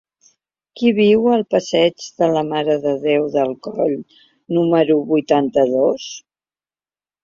Qui viu al passeig de la Mare de Déu del Coll número vuitanta-dos?